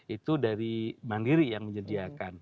itu dari mandiri yang menyediakan